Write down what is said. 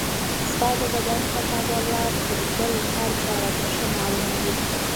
ستا د بدن پټ عضلات تر بل هر چا راته ښه معلوم دي.